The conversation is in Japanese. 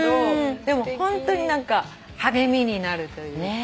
でもホントに何か励みになるというか。